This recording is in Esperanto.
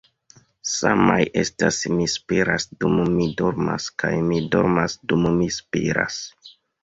Samaj estas 'Mi spiras dum mi dormas' kaj 'Mi dormas dum mi spiras.'"